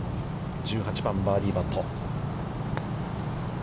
１８番バーディーパット。